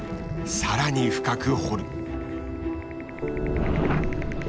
さらに深く掘る。